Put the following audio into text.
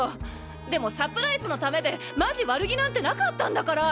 でもサプライズのためでマジ悪気なんてなかったんだから！